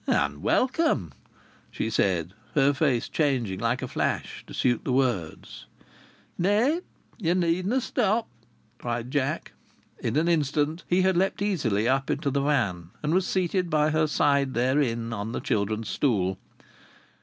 "And welcome," she said, her face changing like a flash to suit the words. "Nay, ye needna' stop!" shouted Jock. In an instant he had leapt easily up into the van, and was seated by her side therein on the children's stool.